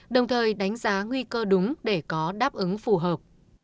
đồng thời đánh giá nguy cơ đúng để có đáp ứng phù hợp